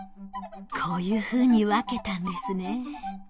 こういうふうに分けたんですね。